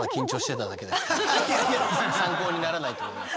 参考にならないと思います。